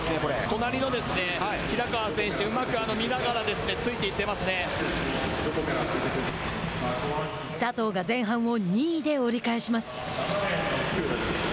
隣の平河選手うまく見ながら佐藤が前半を２位で折り返します。